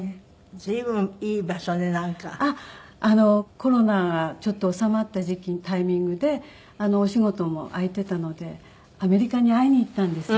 コロナがちょっと収まったタイミングでお仕事も空いていたのでアメリカに会いに行ったんです。